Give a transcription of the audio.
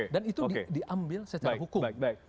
dan itu diambil secara hukum